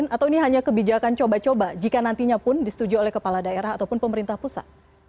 atau ini hanya kebijakan coba coba jika nantinya pun disetujui oleh kepala daerah ataupun pemerintah pusat